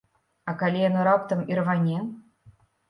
А калі яно раптам ірване?